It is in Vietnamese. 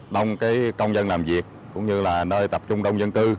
đông công dân làm việc cũng như là nơi tập trung đông dân cư